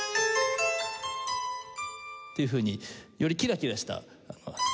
っていうふうによりキラキラした。